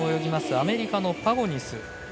アメリカのパゴニス。